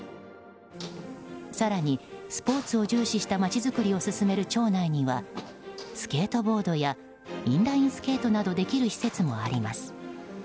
更に、スポーツを重視した町づくりを進める町内にはスケートボードやインラインスケートなどできる施設もあります。